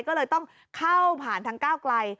ก็เลยต้องเข้าผ่านทางก้าวไกล